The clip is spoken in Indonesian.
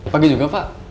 pagi juga pak